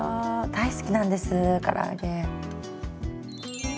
大好きなんですから揚げ。